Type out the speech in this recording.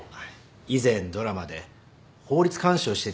以前ドラマで法律監修をしていただいて。